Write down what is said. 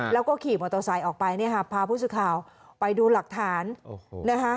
แล้วก็ขี่มอเตอร์ไซค์ออกไปเนี่ยค่ะพาผู้สื่อข่าวไปดูหลักฐานโอ้โหนะคะ